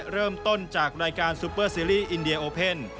เริ่มต้นจากรายการซูเปอร์ซีรีส์อินเดียโอเพ่น